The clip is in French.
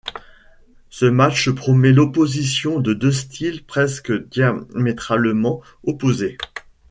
Ce match promet l'opposition de deux styles presque diamétralement opposés.